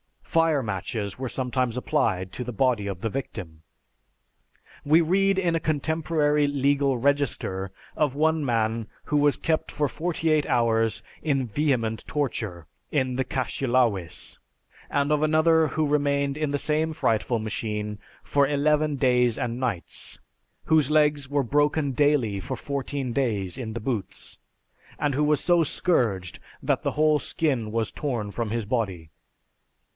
Fire matches were sometimes applied to the body of the victim. We read in a contemporary legal register, of one man who was kept for forty eight hours in "vehement torture" in the caschielawis; and of another who remained in the same frightful machine for eleven days and nights, whose legs were broken daily for fourteen days in the boots, and who was so scourged that the whole skin was torn from his body.